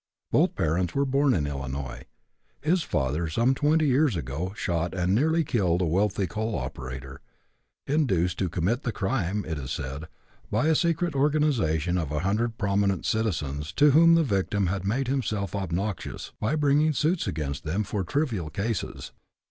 Both parents were born in Illinois. His father, some twenty years ago, shot and nearly killed a wealthy coal operator, induced to commit the crime, it is said, by a secret organization of a hundred prominent citizens to whom the victim had made himself obnoxious by bringing suits against them for trivial causes.